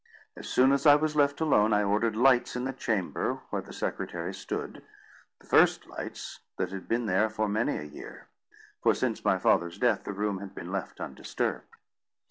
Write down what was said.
As soon as I was left alone, I ordered lights in the chamber where the secretary stood, the first lights that had been there for many a year; for, since my father's death, the room had been left undisturbed.